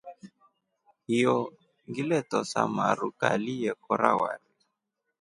Hiyo ngile tosa maru kali ye kora wari.